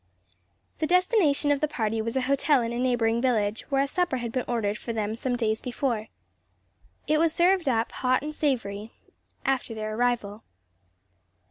The destination of the party was a hotel in a neighboring village, where a supper had been ordered for them some days before. It was served up, hot and savory, shortly after their arrival.